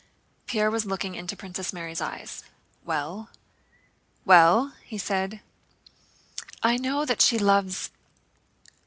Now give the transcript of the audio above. Pierre was looking into Princess Mary's eyes. "Well?... Well?..." he said. "I know that she loves...